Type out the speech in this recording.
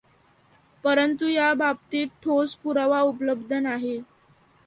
परंतु या बाबतीत ठोस पुरावा उपलब्ध नाही.